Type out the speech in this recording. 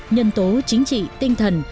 nhân tố chính trị tinh thần